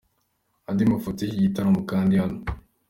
Andi mafoto y'iki gitaramo, kanda hano.